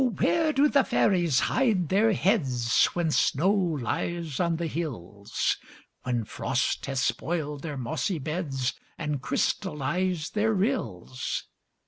where do fairies hide their heads, When snow lies on the hills, When frost has spoiled their mossy beds, And crystallized their rills?